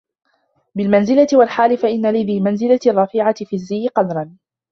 بِالْمَنْزِلَةِ وَالْحَالِ فَإِنَّ لِذِي الْمَنْزِلَةِ الرَّفِيعَةِ فِي الزِّيِّ قَدْرًا